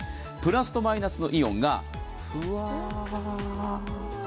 プラスとマイナスのイオンがふわ。